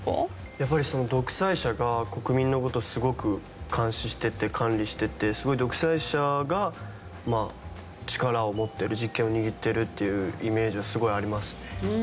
やっぱり独裁者が国民の事をすごく監視してて管理してて独裁者が力を持ってる実権を握ってるっていうイメージはすごいありますね。